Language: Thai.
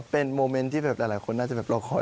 เป็นโมเมนต์ที่แบบหลายคนน่าจะแบบรอคอย